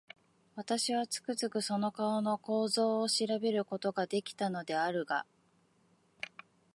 私は、つくづくその顔の構造を調べる事が出来たのであるが、